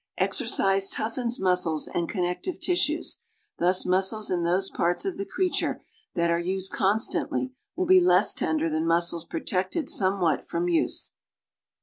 Exercise toughens muscles and connective tissues, thus mus cles in those parts of the creature that are used constantly will be less tender than muscles protected somewhat from use.